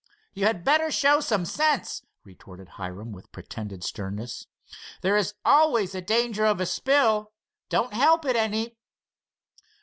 "You had better show some sense," retorted Hiram, with pretended sternness. "There is always danger of a spill. Don't help it any."